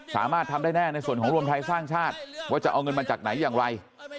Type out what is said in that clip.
สามารถทำได้แน่ในส่วนของรวมไทยสร้างชาติว่าจะเอาเงินมาจากไหนอย่างไร